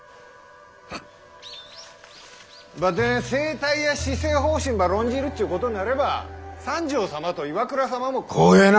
ばってん政体や施政方針ば論じるっちゅうことになれば三条様と岩倉様もこん席に。